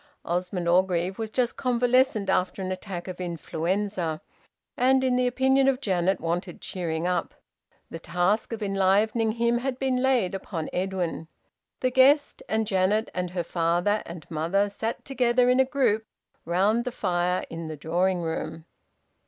Osmond Orgreave was just convalescent after an attack of influenza, and in the opinion of Janet wanted cheering up. The task of enlivening him had been laid upon Edwin. The guest, and Janet and her father and mother sat together in a group round the fire in the drawing room.